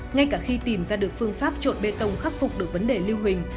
ngay cả khi tìm ra được phương pháp trộn bê tông khắc phục được vấn đề lưu hình